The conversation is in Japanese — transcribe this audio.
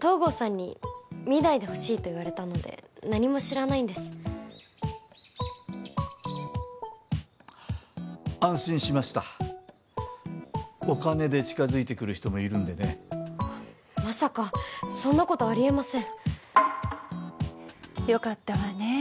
東郷さんに見ないでほしいと言われたので何も知らないんです安心しましたお金で近づいてくる人もいるんでねまさかそんなことありえませんよかったわね